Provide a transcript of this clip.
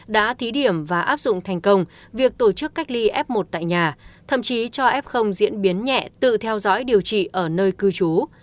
đã thí điểm và áp dụng thành công việc tổ chức cách ly f một tại nhà thậm chí cho f diễn biến nhẹ tự theo dõi điều trị ở nơi cư trú